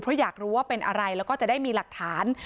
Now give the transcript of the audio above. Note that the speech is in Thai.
เพราะอยากรู้ว่าเป็นอะไรแล้วก็จะได้มีหลักฐาน